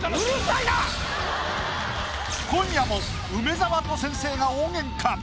今夜も梅沢と先生が大ゲンカ！